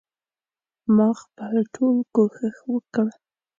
ما خپل ټول کوښښ وکړ.